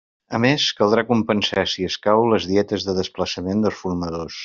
A més, caldrà compensar, si escau, les dietes de desplaçament dels formadors.